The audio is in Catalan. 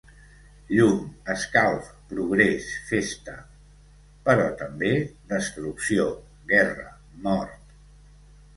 Llum, escalf, progrés, festa... però també destrucció, guerra, mort.